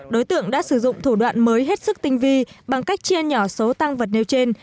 đối tượng đã sử dụng thủ đoạn mới hết sức tinh vi bằng cách chia nhỏ số tăng vật nêu trên